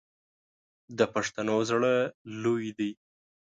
د پښتنو زړه لوی دی.